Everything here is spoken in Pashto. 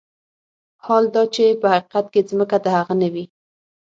حال دا چې په حقيقت کې ځمکه د هغه نه وي.